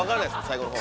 最後の方。